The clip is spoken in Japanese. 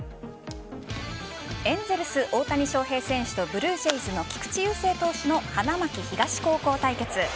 エンゼルス・大谷翔平選手とブルージェイズの菊池雄星投手の花巻東高校対決。